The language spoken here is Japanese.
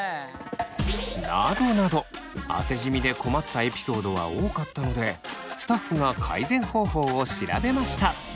などなど汗じみで困ったエピソードは多かったのでスタッフが改善方法を調べました。